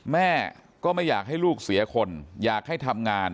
แม่ก็ไม่อยากให้ลูกเสียคนอยากให้ทำงาน